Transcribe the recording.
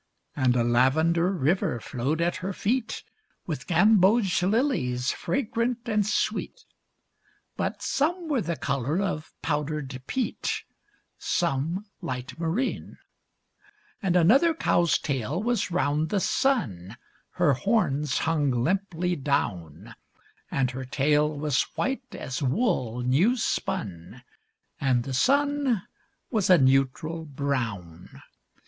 And a lavender river flowed at her feet With gamboge lilies fragrant and sweet, But some were the color of powdered peat, Some light marine. And another cow's tail was round the sun (Her horns hung limply down); And her tail was white as wool new spun, And the sun was a neutral brown.